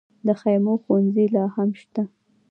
د خیمو ښوونځي لا هم شته؟